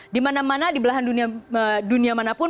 di mana mana di belahan dunia mana pun